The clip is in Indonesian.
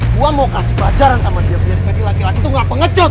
gua mau kasih pelajaran sama dia biar jadi laki laki itu nggak pengecut